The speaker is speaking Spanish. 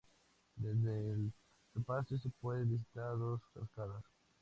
Desde el Topacio se pueden visitar dos cascadas.